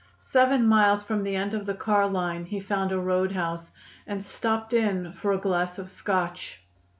Seven miles from the end of the car line he found a road house, and stopped in for a glass of Scotch.